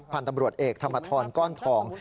พันธุ์ตำรวจเอกธรรมทรก้อนทอง